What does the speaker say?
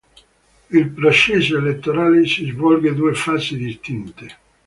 Il processo elettorale si svolge due fasi distinte.